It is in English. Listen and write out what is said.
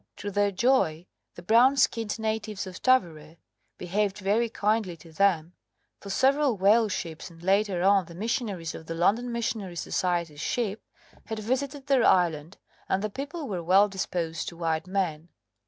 To their joy the brown skinned natives of Tawere behaved very kindly to them, for several whale ships, and, later on, the missionaries of the London Missionary Society's ship, had visited their island, and the people were well disposed to white men.